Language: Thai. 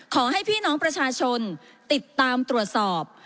ขอให้พี่น้องประชาชนติดตามตรวจสอบ